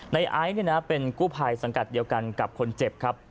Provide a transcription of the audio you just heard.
ไอซ์เป็นกู้ภัยสังกัดเดียวกันกับคนเจ็บครับ